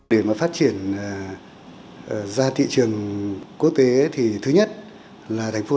để mà phát triển ra thị trường quốc tế thì thứ nhất là thành phố